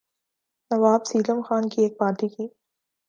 نواب سیلم خان کی ایک پارٹی کی